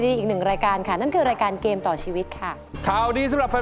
มีความรู้สึกแบบไม่อยากรับรู้อะไร